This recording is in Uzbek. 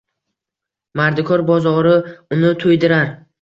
Mardikor bozori uni to’ydirar.